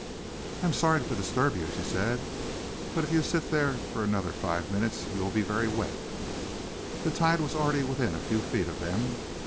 "I am sorry to disturb you," she said, "but if you sit there for another five minutes, you will be very wet." The tide was already within a few feet of them.